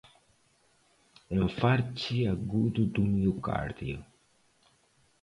Enfarte Agudo do Miocárdio.